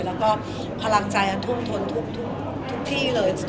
และก็พลังใจถุงทนจะทุกที่เลย